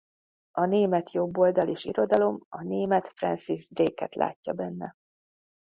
A német jobboldal és irodalom a német Francis Draket látja benne.